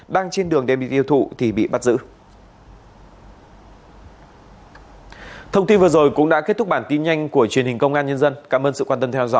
đang trên đường đem bị tiêu thụ thì bị bắt giữ